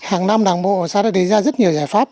hàng năm đảng bộ xã đã đề ra rất nhiều giải pháp